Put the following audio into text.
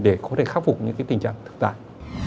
để có thể khắc phục những tình trạng thực tại